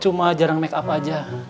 cuma jarang makeup aja